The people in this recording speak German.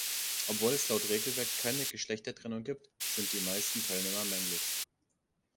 Obwohl es laut Regelwerk keine Geschlechtertrennung gibt, sind die meisten Teilnehmer männlich.